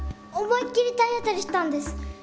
思いっきり体当たりしたんです。